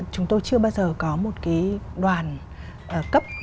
chúng tôi chưa bao giờ có một cái đoàn cấp